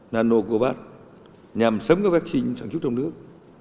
nanocovid nhằm sấm các vaccine sản xuất trong nước